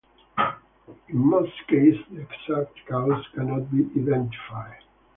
In most cases, the exact cause cannot be identified.